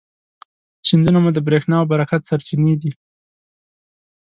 سیندونه مو د برېښنا او برکت سرچینې دي.